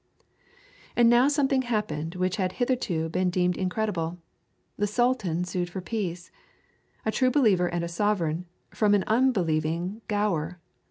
And now something happened which had hitherto been deemed incredible; the Sultan sued for peace, a true believer and a sovereign, from an unbelieving giaour.